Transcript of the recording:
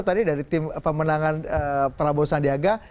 tadi dari tim pemenangan prabowo sandiaga